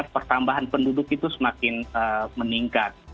pertambahan penduduk itu semakin meningkat